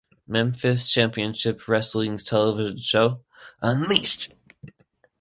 Memphis Championship Wrestling's television show Unleashed!